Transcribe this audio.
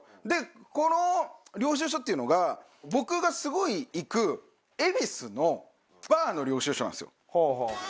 この領収書っていうのが僕がすごい行く。の領収書なんですよ。